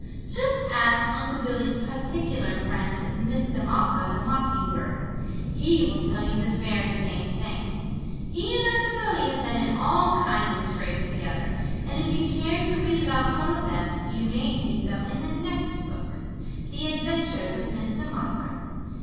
Just ask Unc' Billy's particular friend, Mistah Mocker the Mocking Bird. He will tell you the very same thing. He and Unc' Billy have been in all kinds of scrapes together, and if you care to read about some of them, you may do so in the next book The Adventures of Mistah Mocker.